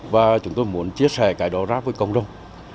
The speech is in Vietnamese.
và chúng tôi muốn chia sẻ cái đó ra với cộng đồng